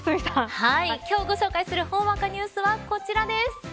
今日ご紹介するほんわかニュースはこちらです。